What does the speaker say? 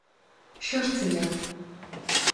Що ж це я?